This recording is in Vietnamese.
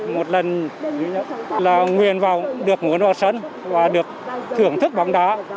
một lần là nguyện được muốn vào sân và được thưởng thức bóng đá